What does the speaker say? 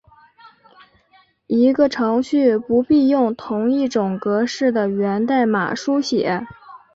一个程序不必用同一种格式的源代码书写。